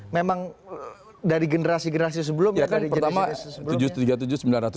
memang dari generasi generasi sebelum atau dari generasi generasi sebelumnya